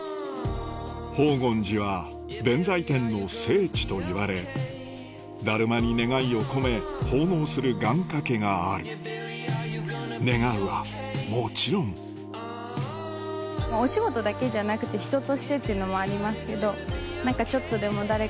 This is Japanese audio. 宝厳寺は弁財天の聖地といわれだるまに願いを込め奉納する願掛けがある願うはもちろんっていうのもありますけど。